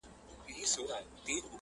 o ژرنده که د پلار ده، هم په وار ده٫